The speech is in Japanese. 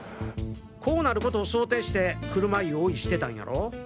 こうなるコトを想定して車用意してたんやろ？